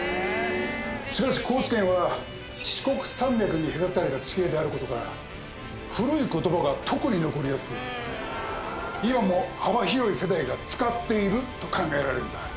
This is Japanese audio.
しかし高知県は四国山脈に隔たれた地形であることから古い言葉が特に残りやすく今も幅広い世代が使っていると考えられるんだ。